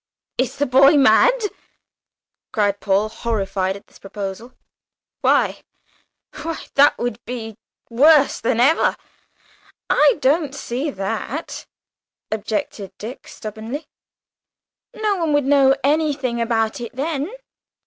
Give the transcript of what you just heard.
"Is the boy mad?" cried Paul, horrified at this proposal. "Why, why, that would be worse than ever!" "I don't see that," objected Dick, stubbornly. "No one would know anything about it then."